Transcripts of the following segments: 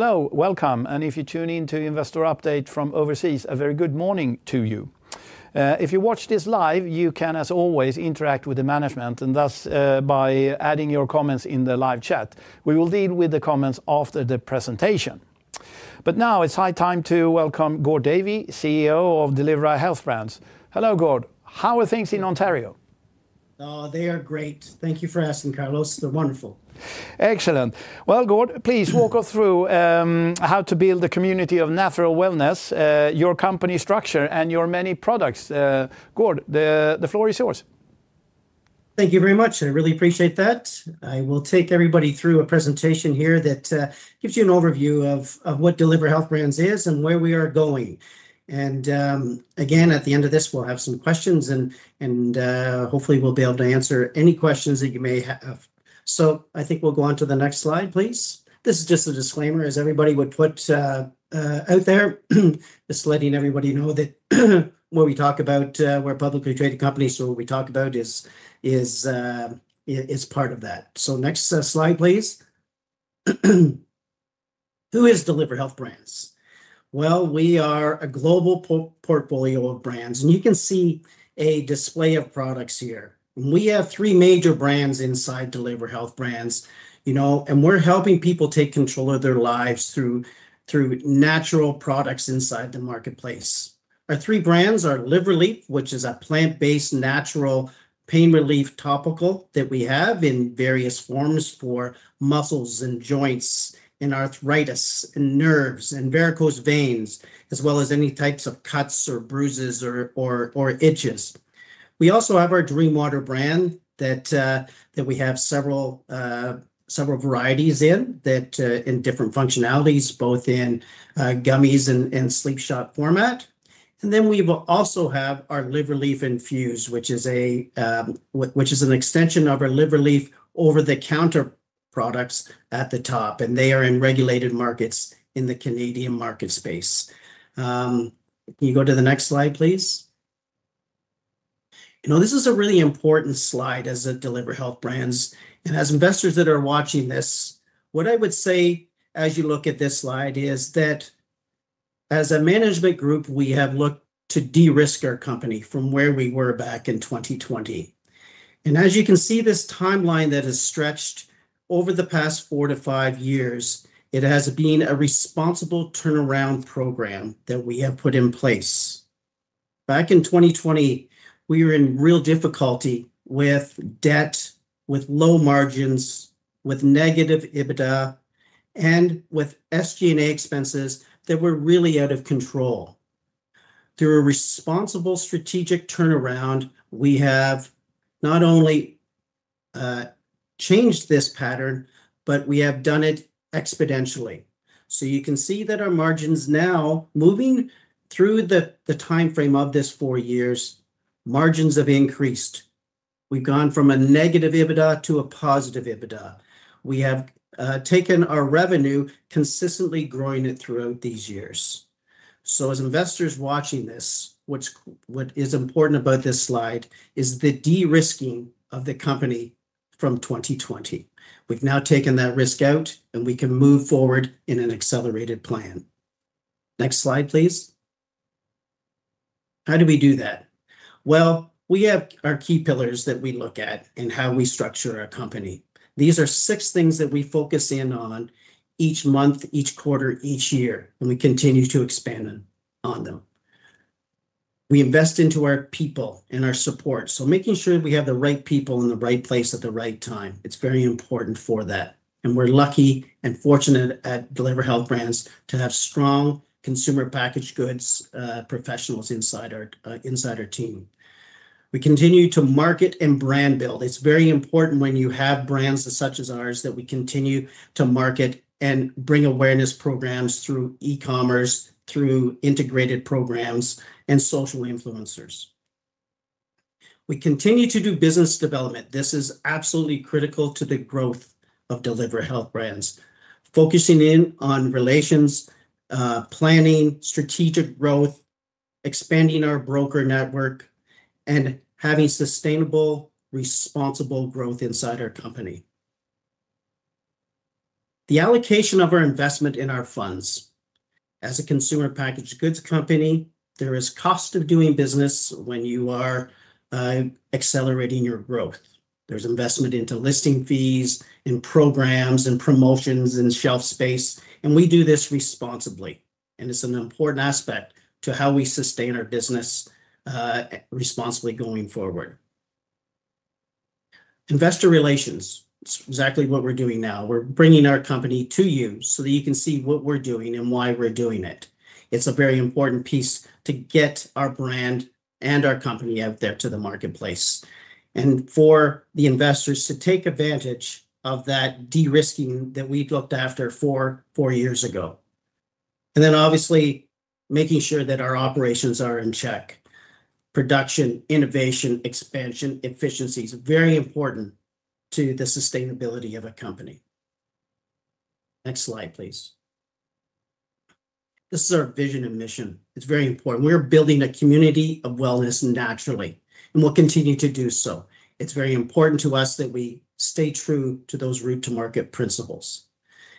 Hello, welcome. If you tune in to Investor Update from overseas, a very good morning to you. If you watch this live, you can, as always, interact with the management and thus by adding your comments in the live chat. We will deal with the comments after the presentation. It is high time to welcome Gord Davey, CEO of Delivra Health Brands. Hello, Gord. How are things in Ontario? They are great. Thank you for asking, Carlos. They're wonderful. Excellent. Gord, please walk us through how to build a community of natural wellness, your company structure, and your many products. Gord, the floor is yours. Thank you very much. I really appreciate that. I will take everybody through a presentation here that gives you an overview of what Delivra Health Brands is and where we are going. Again, at the end of this, we'll have some questions, and hopefully we'll be able to answer any questions that you may have. I think we'll go on to the next slide, please. This is just a disclaimer, as everybody would put out there. Just letting everybody know that what we talk about, we're a publicly traded company, so what we talk about is part of that. Next slide, please. Who is Delivra Health Brands? We are a global portfolio of brands, and you can see a display of products here. We have three major brands inside Delivra Health Brands, and we're helping people take control of their lives through natural products inside the marketplace. Our three brands are LivRelief, which is a plant-based natural pain relief topical that we have in various forms for muscles and joints and arthritis and nerves and varicose veins, as well as any types of cuts or bruises or itches. We also have our Dream Water brand that we have several varieties in, in different functionalities, both in gummies and sleep shot format. We also have our LivRelief Infuse, which is an extension of our LivRelief over-the-counter products at the top, and they are in regulated markets in the Canadian market space. Can you go to the next slide, please? This is a really important slide as a Delivra Health Brands. As investors that are watching this, what I would say as you look at this slide is that as a management group, we have looked to de-risk our company from where we were back in 2020. As you can see this timeline that has stretched over the past four to five years, it has been a responsible turnaround program that we have put in place. Back in 2020, we were in real difficulty with debt, with low margins, with negative EBITDA, and with SG&A expenses that were really out of control. Through a responsible strategic turnaround, we have not only changed this pattern, but we have done it exponentially. You can see that our margins now, moving through the timeframe of this four years, margins have increased. We've gone from a negative EBITDA to a positive EBITDA. We have taken our revenue, consistently growing it throughout these years. As investors watching this, what is important about this slide is the de-risking of the company from 2020. We have now taken that risk out, and we can move forward in an accelerated plan. Next slide, please. How do we do that? We have our key pillars that we look at and how we structure our company. These are six things that we focus in on each month, each quarter, each year, and we continue to expand on them. We invest into our people and our support. Making sure we have the right people in the right place at the right time, it is very important for that. We are lucky and fortunate at Delivra Health Brands to have strong consumer packaged goods professionals inside our team. We continue to market and brand build. It's very important when you have brands such as ours that we continue to market and bring awareness programs through e-commerce, through integrated programs, and social influencers. We continue to do business development. This is absolutely critical to the growth of Delivra Health Brands, focusing in on relations, planning, strategic growth, expanding our broker network, and having sustainable, responsible growth inside our company. The allocation of our investment in our funds. As a consumer packaged goods company, there is cost of doing business when you are accelerating your growth. There's investment into listing fees and programs and promotions and shelf space. We do this responsibly. It's an important aspect to how we sustain our business responsibly going forward. Investor Relations, exactly what we're doing now. We're bringing our company to you so that you can see what we're doing and why we're doing it. It's a very important piece to get our brand and our company out there to the marketplace and for the investors to take advantage of that de-risking that we looked after four years ago. Obviously, making sure that our operations are in check. Production, innovation, expansion, efficiency is very important to the sustainability of a company. Next slide, please. This is our vision and mission. It's very important. We are building a community of wellness naturally, and we'll continue to do so. It's very important to us that we stay true to those route-to-market principles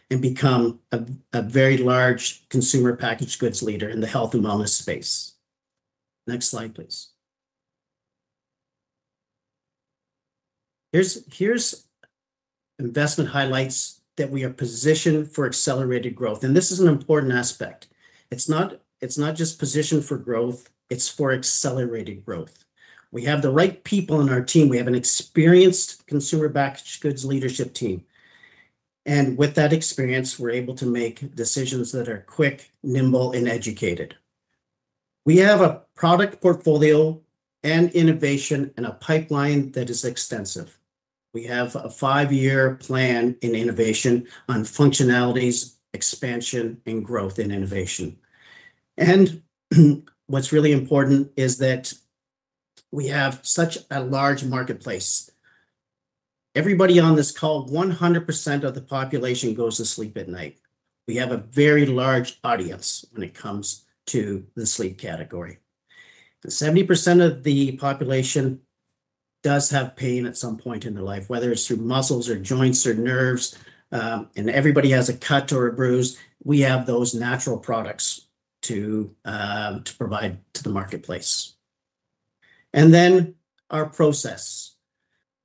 and become a very large consumer packaged goods leader in the health and wellness space. Next slide, please. Here's investment highlights that we are positioned for accelerated growth. This is an important aspect. It's not just positioned for growth. It's for accelerated growth. We have the right people on our team. We have an experienced consumer packaged goods leadership team. With that experience, we're able to make decisions that are quick, nimble, and educated. We have a product portfolio and innovation and a pipeline that is extensive. We have a five-year plan in innovation on functionalities, expansion, and growth in innovation. What's really important is that we have such a large marketplace. Everybody on this call, 100% of the population goes to sleep at night. We have a very large audience when it comes to the sleep category. 70% of the population does have pain at some point in their life, whether it's through muscles or joints or nerves, and everybody has a cut or a bruise. We have those natural products to provide to the marketplace. Our process is that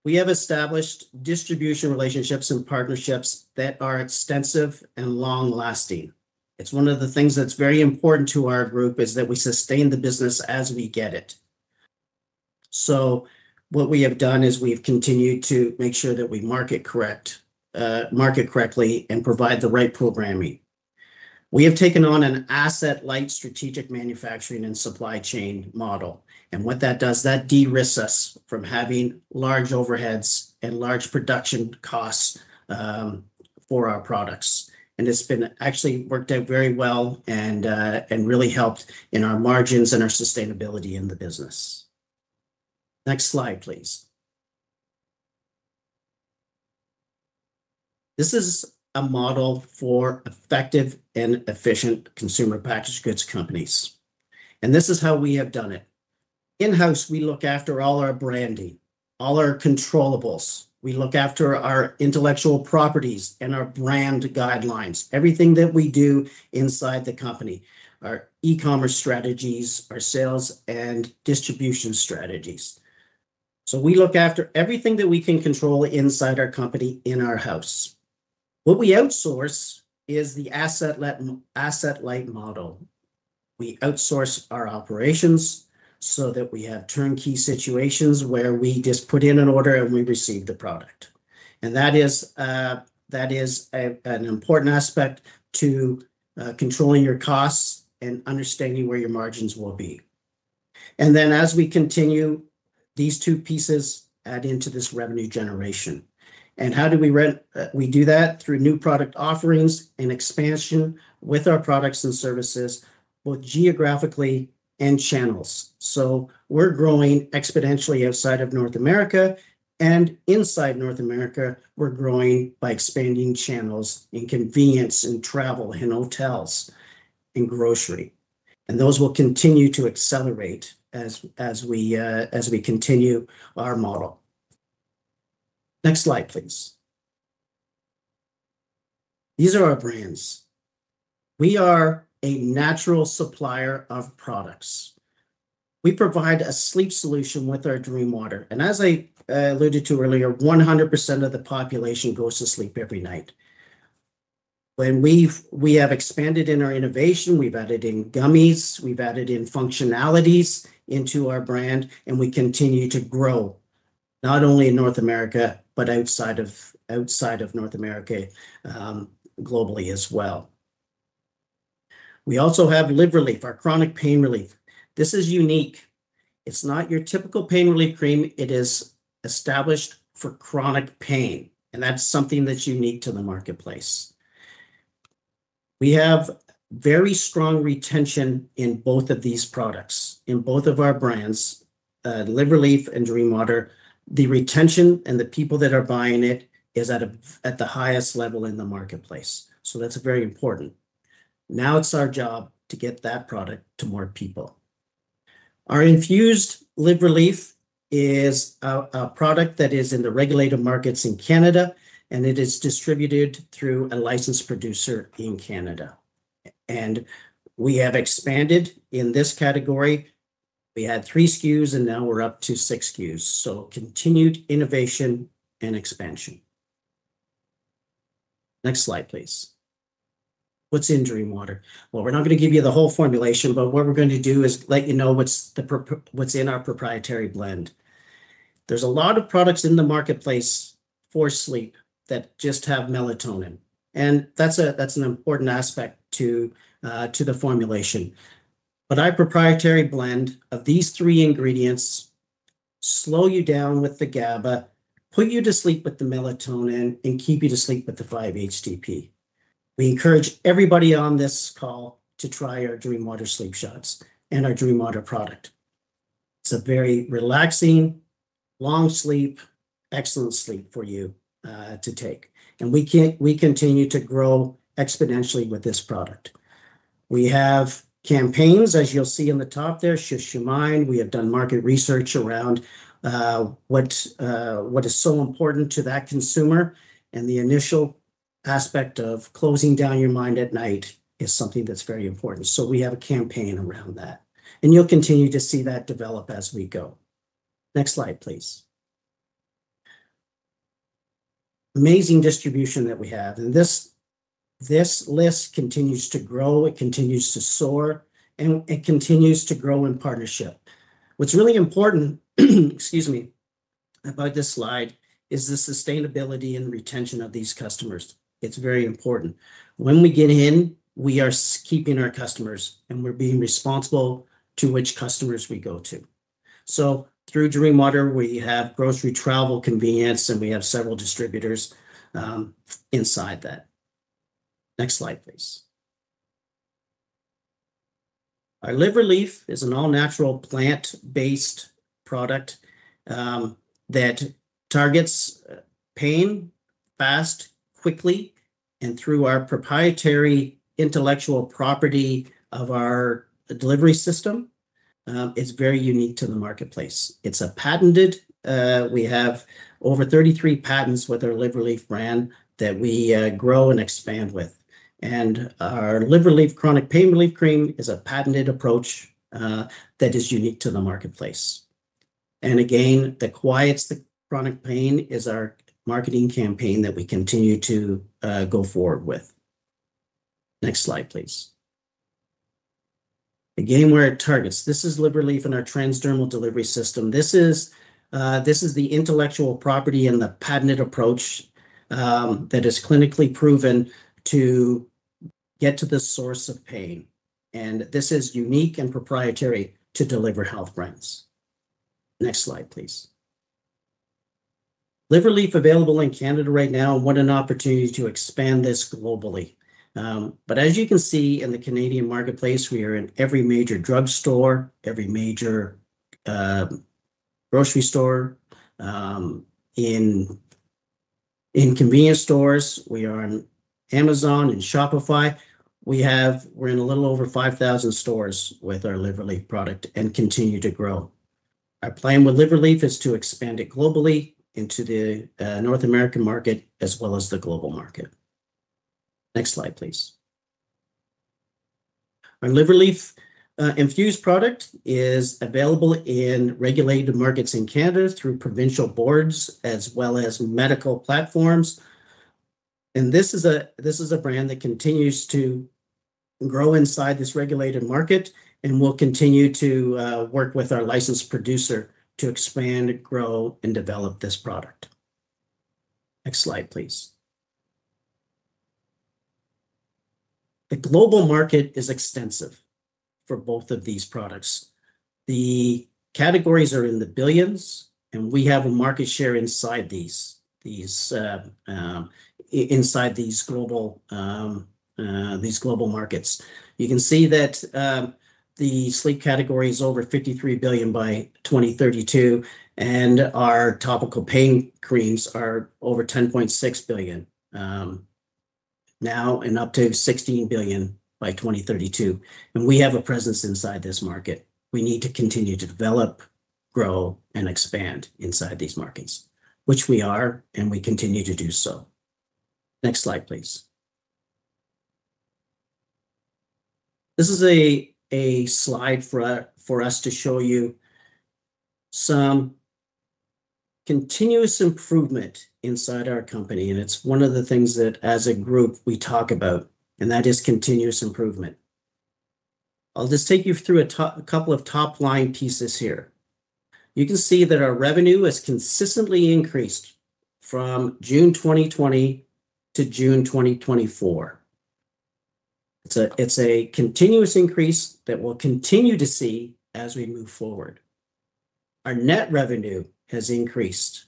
we have established distribution relationships and partnerships that are extensive and long-lasting. It's one of the things that's very important to our group is that we sustain the business as we get it. What we have done is we've continued to make sure that we market correctly and provide the right programming. We have taken on an asset-light strategic manufacturing and supply chain model. What that does, that de-risks us from having large overheads and large production costs for our products. It's been actually worked out very well and really helped in our margins and our sustainability in the business. Next slide, please. This is a model for effective and efficient consumer packaged goods companies. This is how we have done it. In-house, we look after all our branding, all our controllables. We look after our intellectual properties and our brand guidelines, everything that we do inside the company, our e-commerce strategies, our sales, and distribution strategies. We look after everything that we can control inside our company in our house. What we outsource is the asset-light model. We outsource our operations so that we have turnkey situations where we just put in an order and we receive the product. That is an important aspect to controlling your costs and understanding where your margins will be. As we continue, these two pieces add into this revenue generation. How do we do that? Through new product offerings and expansion with our products and services, both geographically and channels. We are growing exponentially outside of North America. Inside North America, we are growing by expanding channels in convenience and travel and hotels and grocery. Those will continue to accelerate as we continue our model. Next slide, please. These are our brands. We are a natural supplier of products. We provide a sleep solution with our Dream Water. As I alluded to earlier, 100% of the population goes to sleep every night. When we have expanded in our innovation, we've added in gummies, we've added in functionalities into our brand, and we continue to grow not only in North America, but outside of North America globally as well. We also have LivRelief, our chronic pain relief. This is unique. It's not your typical pain relief cream. It is established for chronic pain. That's something that's unique to the marketplace. We have very strong retention in both of these products, in both of our brands, LivRelief and Dream Water. The retention and the people that are buying it is at the highest level in the marketplace. That's very important. Now it's our job to get that product to more people. Our Infuse LivRelief is a product that is in the regulated markets in Canada, and it is distributed through a licensed producer in Canada. We have expanded in this category. We had three SKUs, and now we're up to six SKUs. Continued innovation and expansion. Next slide, please. What's in Dream Water? We're not going to give you the whole formulation, but what we're going to do is let you know what's in our proprietary blend. There's a lot of products in the marketplace for sleep that just have melatonin. That's an important aspect to the formulation. Our proprietary blend of these three ingredients slows you down with the GABA, puts you to sleep with the melatonin, and keeps you to sleep with the 5-HTP. We encourage everybody on this call to try our Dream Water Sleep Shots and our Dream Water product. It's a very relaxing, long sleep, excellent sleep for you to take. We continue to grow exponentially with this product. We have campaigns, as you'll see in the top there, Shush Your Mind. We have done market research around what is so important to that consumer. The initial aspect of closing down your mind at night is something that's very important. We have a campaign around that. You'll continue to see that develop as we go. Next slide, please. Amazing distribution that we have. This list continues to grow. It continues to soar. It continues to grow in partnership. What's really important, excuse me, about this slide is the sustainability and retention of these customers. It's very important. When we get in, we are keeping our customers, and we're being responsible to which customers we go to. Through Dream Water, we have grocery, travel, convenience, and we have several distributors inside that. Next slide, please. Our LivRelief is an all-natural, plant-based product that targets pain fast, quickly, and through our proprietary intellectual property of our delivery system. It is very unique to the marketplace. It is patented. We have over 33 patents with our LivRelief brand that we grow and expand with. Our LivRelief chronic pain relief cream is a patented approach that is unique to the marketplace. Again, the "Quiets the Chronic Pain" is our marketing campaign that we continue to go forward with. Next slide, please. Again, where it targets. This is LivRelief and our Transdermal Delivery System. This is the intellectual property and the patented approach that is clinically proven to get to the source of pain. This is unique and proprietary to Delivra Health Brands. Next slide, please. LivRelief available in Canada right now, what an opportunity to expand this globally. As you can see in the Canadian marketplace, we are in every major drugstore, every major grocery store, in convenience stores. We are on Amazon and Shopify. We are in a little over 5,000 stores with our LivRelief product and continue to grow. Our plan with LivRelief is to expand it globally into the North American market as well as the global market. Next slide, please. Our LivRelief Infuse product is available in regulated markets in Canada through provincial boards as well as medical platforms. This is a brand that continues to grow inside this regulated market and will continue to work with our licensed producer to expand, grow, and develop this product. Next slide, please. The global market is extensive for both of these products. The categories are in the billions, and we have a market share inside these global markets. You can see that the sleep category is over $53 billion by 2032, and our topical pain creams are over $10.6 billion now and up to $16 billion by 2032. We have a presence inside this market. We need to continue to develop, grow, and expand inside these markets, which we are, and we continue to do so. Next slide, please. This is a slide for us to show you some continuous improvement inside our company. It is one of the things that, as a group, we talk about, and that is continuous improvement. I'll just take you through a couple of top-line pieces here. You can see that our revenue has consistently increased from June 2020 to June 2024. It is a continuous increase that we'll continue to see as we move forward. Our net revenue has increased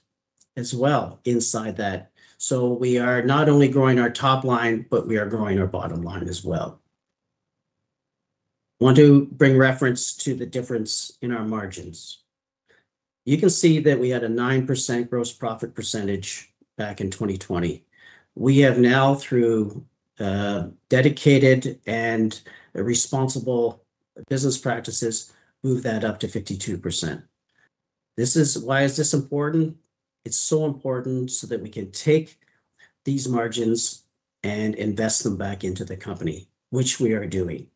as well inside that. So we are not only growing our top line, but we are growing our bottom line as well. I want to bring reference to the difference in our margins. You can see that we had a 9% gross profit percentage back in 2020. We have now, through dedicated and responsible business practices, moved that up to 52%. Why is this important? It's so important so that we can take these margins and invest them back into the company, which we are doing.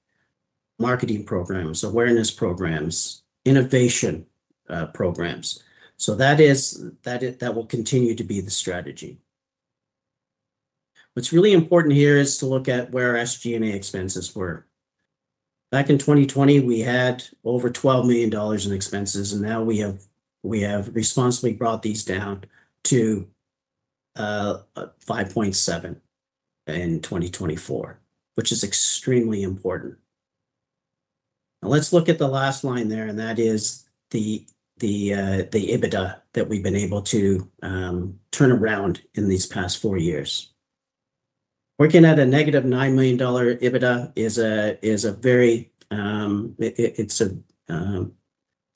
Marketing programs, awareness programs, innovation programs. So that will continue to be the strategy. What's really important here is to look at where our SG&A expenses were. Back in 2020, we had over $12 million in expenses, and now we have responsibly brought these down to $5.7 million in 2024, which is extremely important. Now, let's look at the last line there, and that is the EBITDA that we've been able to turn around in these past four years. Working at a negative $9 million EBITDA is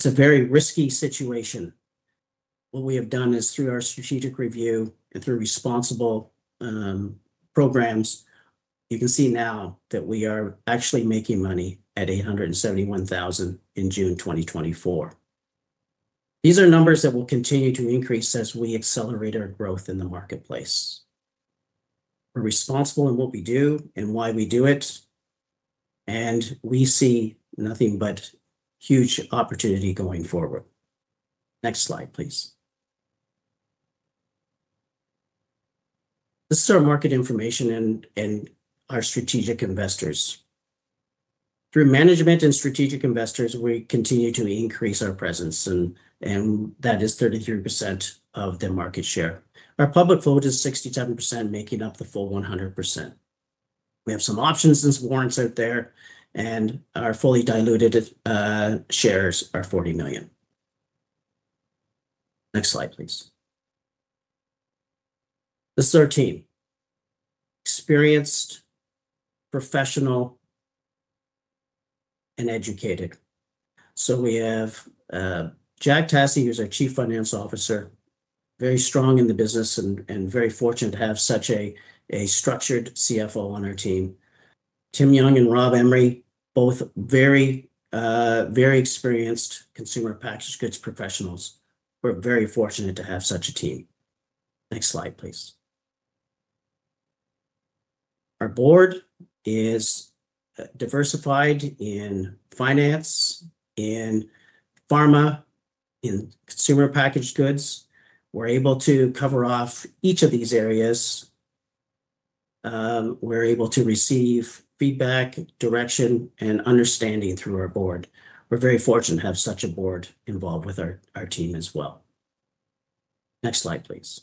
a very risky situation. What we have done is, through our strategic review and through responsible programs, you can see now that we are actually making money at $871,000 in June 2024. These are numbers that will continue to increase as we accelerate our growth in the marketplace. We're responsible in what we do and why we do it. We see nothing but huge opportunity going forward. Next slide, please. This is our market information and our strategic investors. Through management and strategic investors, we continue to increase our presence, and that is 33% of the market share. Our public float is 67%, making up the full 100%. We have some options and warrants out there, and our fully diluted shares are 40 million. Next slide, please. The 13. Experienced, professional, and educated. So we have Jack Tasse, who's our Chief Financial Officer, very strong in the business and very fortunate to have such a structured CFO on our team. Tim Young and Rob Emery, both very experienced Consumer Packaged Goods professionals. We're very fortunate to have such a team. Next slide, please. Our board is diversified in finance, in pharma, in consumer packaged goods. We're able to cover off each of these areas. We're able to receive feedback, direction, and understanding through our board. We're very fortunate to have such a board involved with our team as well. Next slide, please.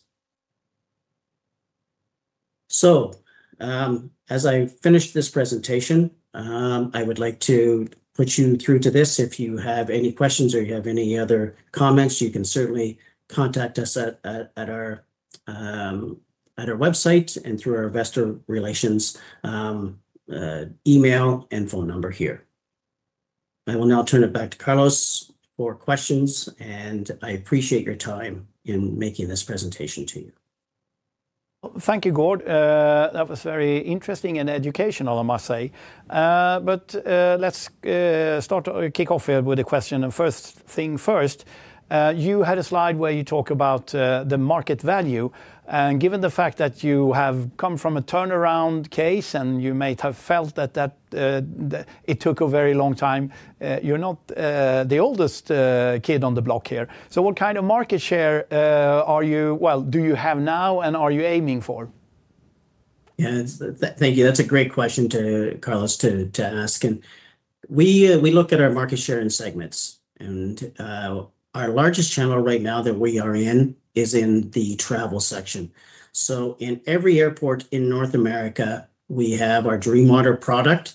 As I finish this presentation, I would like to put you through to this. If you have any questions or you have any other comments, you can certainly contact us at our website and through our investor relations email and phone number here. I will now turn it back to Carlos for questions, and I appreciate your time in making this presentation to you. Thank you, Gord. That was very interesting and educational, I must say. Let's start to kick off with a question. First thing first, you had a slide where you talk about the market value. Given the fact that you have come from a turnaround case and you may have felt that it took a very long time, you're not the oldest kid on the block here. What kind of market share are you—do you have now and are you aiming for? Yeah, thank you. That's a great question to Carlos to ask. We look at our market share in segments. Our largest channel right now that we are in is in the travel section. In every airport in North America, we have our Dream Water product.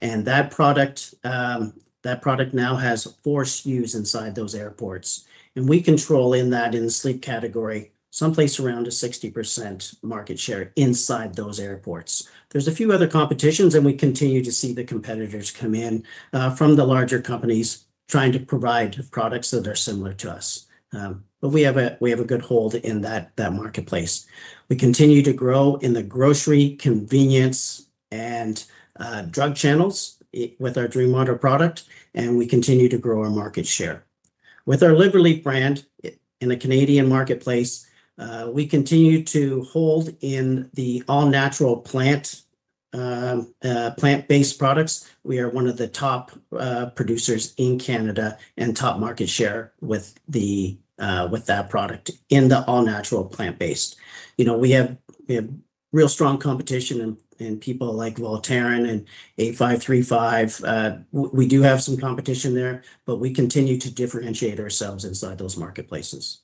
That product now has four SKUs inside those airports. We control in that, in the sleep category, someplace around a 60% market share inside those airports. There are a few other competitors, and we continue to see the competitors come in from the larger companies trying to provide products that are similar to us. We have a good hold in that marketplace. We continue to grow in the grocery, convenience, and drug channels with our Dream Water product, and we continue to grow our market share. With our LivRelief brand in the Canadian marketplace, we continue to hold in the all-natural plant-based products. We are one of the top producers in Canada and top market share with that product in the all-natural plant-based. We have real strong competition in people like Voltaren and A535. We do have some competition there, but we continue to differentiate ourselves inside those marketplaces.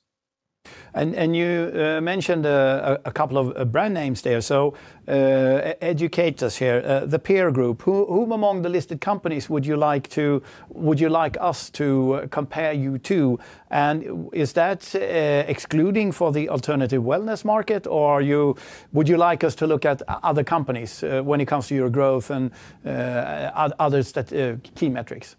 You mentioned a couple of brand names there. Educate us here. The peer group, whom among the listed companies would you like us to compare you to? Is that excluding for the alternative wellness market, or would you like us to look at other companies when it comes to your growth and other key metrics?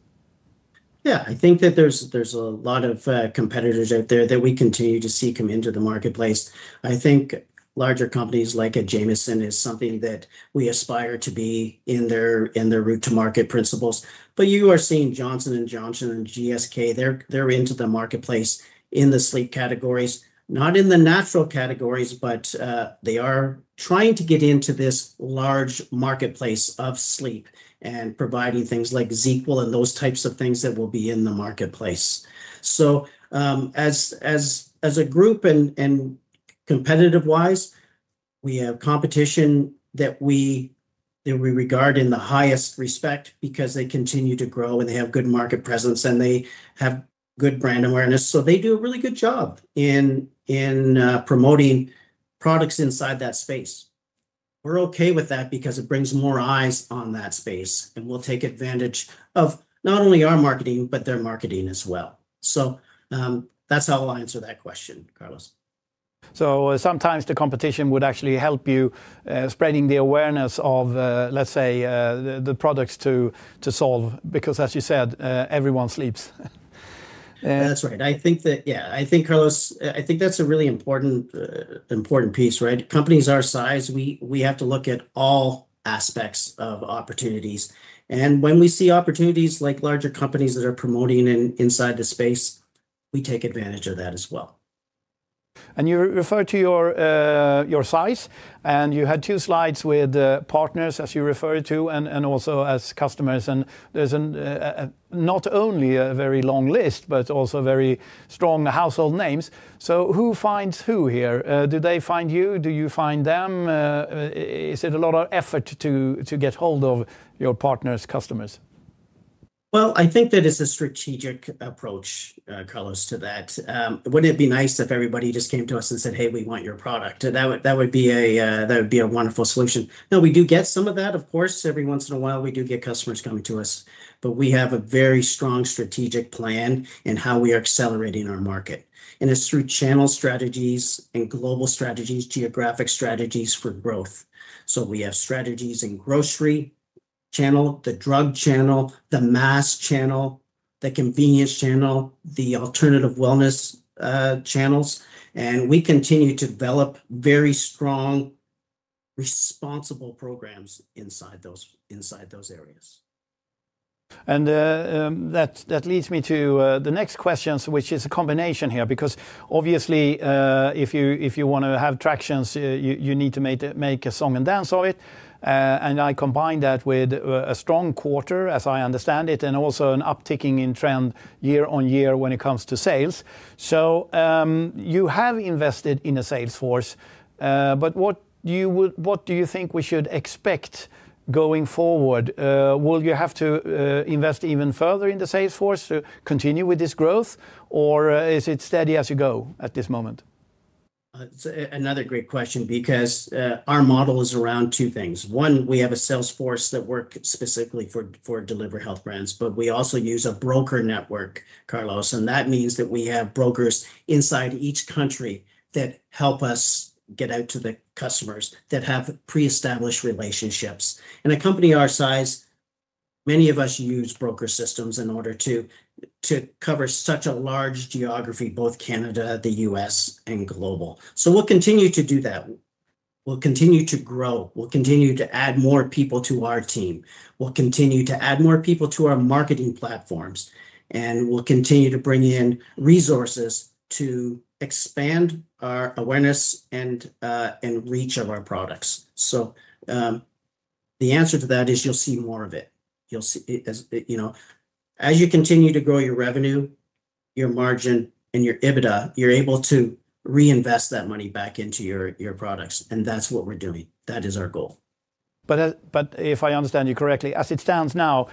Yeah, I think that there's a lot of competitors out there that we continue to see come into the marketplace. I think larger companies like Jamieson is something that we aspire to be in their route-to-market principles. You are seeing Johnson & Johnson and GSK. They're into the marketplace in the sleep categories, not in the natural categories, but they are trying to get into this large marketplace of sleep and providing things like ZzzQuil and those types of things that will be in the marketplace. As a group and competitive-wise, we have competition that we regard in the highest respect because they continue to grow and they have good market presence and they have good brand awareness. They do a really good job in promoting products inside that space. We're okay with that because it brings more eyes on that space, and we'll take advantage of not only our marketing, but their marketing as well. That's how I'll answer that question, Carlos. Sometimes the competition would actually help you spreading the awareness of, let's say, the products to solve because, as you said, everyone sleeps. That's right. Yeah, I think, Carlos, I think that's a really important piece, right? Companies our size, we have to look at all aspects of opportunities. When we see opportunities like larger companies that are promoting inside the space, we take advantage of that as well. You referred to your size, and you had two slides with partners as you referred to and also as customers. There's not only a very long list, but also very strong household names. Who finds who here? Do they find you? Do you find them? Is it a lot of effort to get hold of your partners, customers? I think that it's a strategic approach, Carlos, to that. Wouldn't it be nice if everybody just came to us and said, "Hey, we want your product"? That would be a wonderful solution. Now, we do get some of that, of course. Every once in a while, we do get customers coming to us. We have a very strong strategic plan in how we are accelerating our market. It is through channel strategies and global strategies, geographic strategies for growth. We have strategies in grocery channel, the drug channel, the mass channel, the convenience channel, the alternative wellness channels. We continue to develop very strong, responsible programs inside those areas. That leads me to the next question, which is a combination here because obviously, if you want to have tractions, you need to make a song and dance of it. I combine that with a strong quarter, as I understand it, and also an uptick in trend year on year when it comes to sales. You have invested in a sales force. What do you think we should expect going forward? Will you have to invest even further in the sales force to continue with this growth, or is it steady as you go at this moment? It's another great question because our model is around two things. One, we have a sales force that works specifically for Delivra Health Brands, but we also use a broker network, Carlos. That means we have brokers inside each country that help us get out to the customers that have pre-established relationships. In a company our size, many of us use broker systems in order to cover such a large geography, both Canada, the U.S., and global. We'll continue to do that. We'll continue to grow. We'll continue to add more people to our team. We'll continue to add more people to our marketing platforms. We'll continue to bring in resources to expand our awareness and reach of our products. The answer to that is you'll see more of it. As you continue to grow your revenue, your margin, and your EBITDA, you're able to reinvest that money back into your products. That's what we're doing. That is our goal. If I understand you correctly, as it stands now,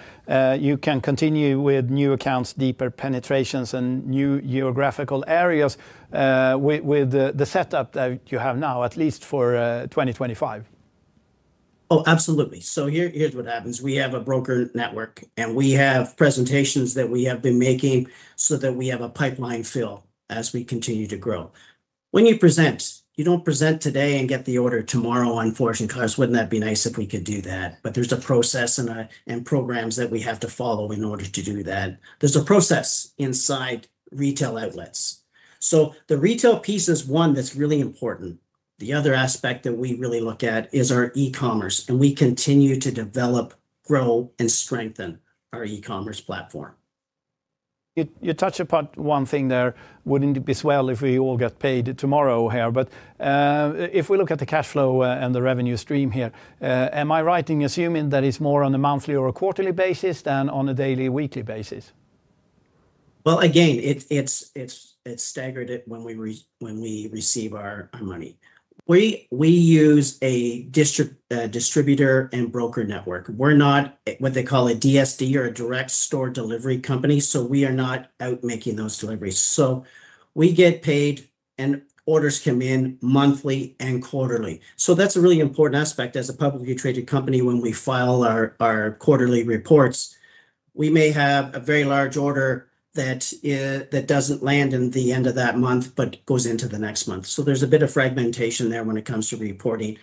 you can continue with new accounts, deeper penetrations, and new geographical areas with the setup that you have now, at least for 2025. Oh, absolutely. Here's what happens. We have a broker network, and we have presentations that we have been making so that we have a pipeline fill as we continue to grow. When you present, you do not present today and get the order tomorrow on floors and cars. Wouldn't that be nice if we could do that? There is a process and programs that we have to follow in order to do that. There is a process inside retail outlets. The retail piece is one that is really important. The other aspect that we really look at is our e-commerce. We continue to develop, grow, and strengthen our e-commerce platform. You touched upon one thing there. Wouldn't it be swell if we all got paid tomorrow here? If we look at the cash flow and the revenue stream here, am I right in assuming that it's more on a monthly or a quarterly basis than on a daily, weekly basis? Again, it's staggered when we receive our money. We use a distributor and broker network. We're not what they call a DSD or a Direct Store Delivery company. We are not out making those deliveries. We get paid, and orders come in monthly and quarterly. That's a really important aspect. As a publicly traded company, when we file our quarterly reports, we may have a very large order that doesn't land in the end of that month but goes into the next month. There's a bit of fragmentation there when it comes to reporting.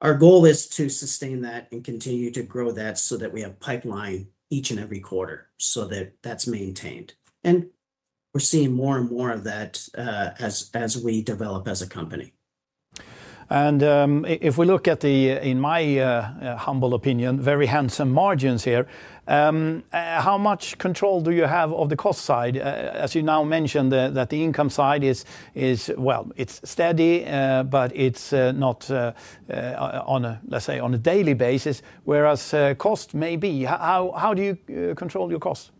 Our goal is to sustain that and continue to grow that so that we have pipeline each and every quarter so that that's maintained. We're seeing more and more of that as we develop as a company. If we look at the, in my humble opinion, very handsome margins here, how much control do you have of the cost side? As you now mentioned, the income side is, well, it's steady, but it's not, let's say, on a daily basis, whereas cost may be. How do you control your cost?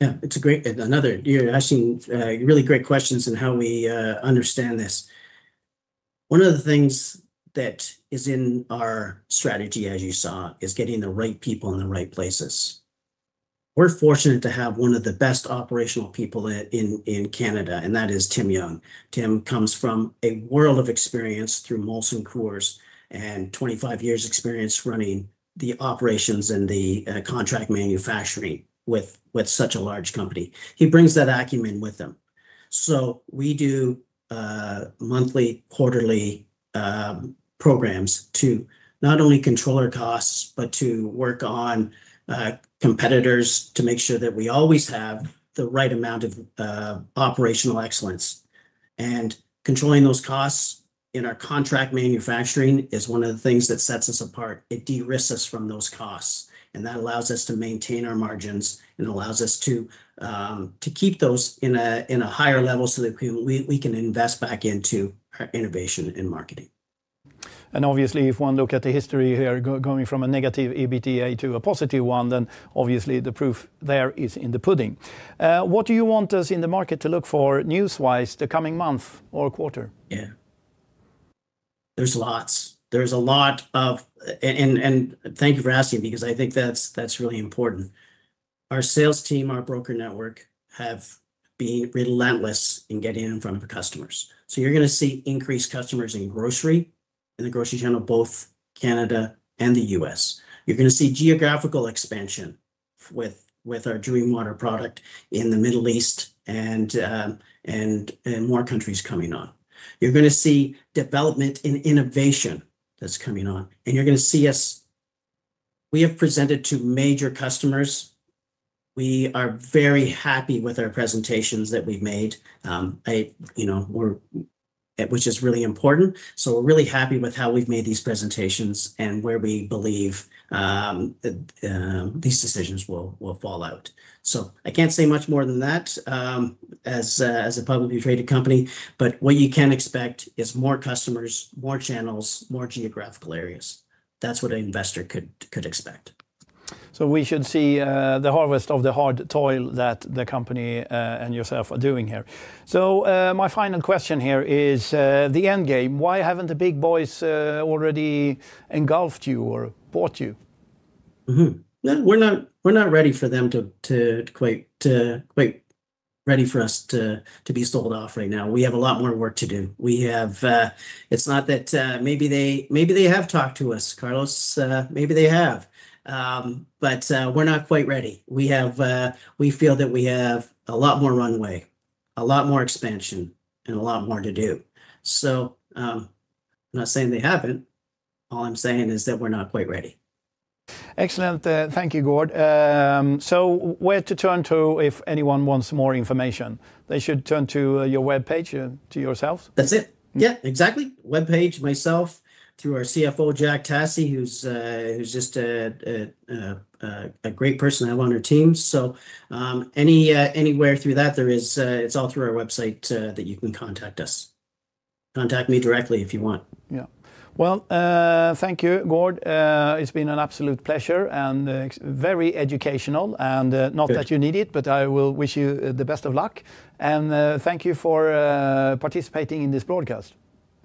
Yeah, it's a great, another, you're asking really great questions and how we understand this. One of the things that is in our strategy, as you saw, is getting the right people in the right places. We're fortunate to have one of the best operational people in Canada, and that is Tim Young. Tim comes from a world of experience through Molson Coors and 25 years' experience running the operations and the contract manufacturing with such a large company. He brings that acumen with him. We do monthly, quarterly programs to not only control our costs, but to work on competitors to make sure that we always have the right amount of operational excellence. Controlling those costs in our contract manufacturing is one of the things that sets us apart. It de-risked us from those costs. That allows us to maintain our margins and allows us to keep those in a higher level so that we can invest back into our innovation and marketing. Obviously, if one look at the history here, going from a negative EBITDA to a positive one, obviously the proof there is in the pudding. What do you want us in the market to look for news-wise the coming month or quarter? Yeah. There's lots. There's a lot of and thank you for asking because I think that's really important. Our sales team, our broker network, have been relentless in getting in front of the customers. You're going to see increased customers in grocery and the grocery channel, both Canada and the U.S. You're going to see geographical expansion with our Dream Water product in the Middle East and more countries coming on. You're going to see development in innovation that's coming on. You're going to see us we have presented to major customers. We are very happy with our presentations that we've made, which is really important. We're really happy with how we've made these presentations and where we believe these decisions will fall out. I can't say much more than that as a publicly traded company. What you can expect is more customers, more channels, more geographical areas. That's what an investor could expect. We should see the harvest of the hard toil that the company and yourself are doing here. My final question here is the end game. Why haven't the big boys already engulfed you or bought you? We're not ready for them to quite ready for us to be sold off right now. We have a lot more work to do. It's not that maybe they have talked to us, Carlos. Maybe they have. We're not quite ready. We feel that we have a lot more runway, a lot more expansion, and a lot more to do. I'm not saying they haven't. All I'm saying is that we're not quite ready. Excellent. Thank you, Gord. Where to turn to if anyone wants more information? They should turn to your web page, to yourself? That's it. Yeah, exactly. Web page, myself, through our CFO, Jack Tasse, who's just a great person I have on our team. Anywhere through that, it's all through our website that you can contact us. Contact me directly if you want. Thank you, Gord. It's been an absolute pleasure and very educational. Not that you need it, but I will wish you the best of luck. Thank you for participating in this broadcast.